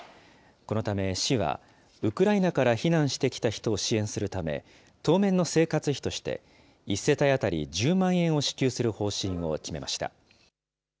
このため市は、ウクライナから避難してきた人を支援するため、当面の生活費として、１世帯当たり１０万円を支給する方針を決めました。